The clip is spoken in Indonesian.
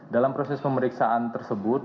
dalam proses pemeriksaan tersebut